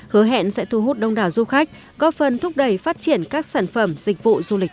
hứa hẹn sẽ thu hút đông đảo du khách góp phần thúc đẩy phát triển các sản phẩm dịch vụ du lịch